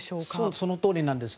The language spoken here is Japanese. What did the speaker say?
そのとおりなんです。